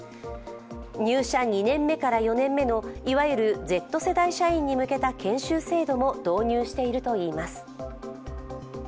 入社２年目から４年目のいわゆるＺ世代社員に向けた研修制度も導入しているといいます。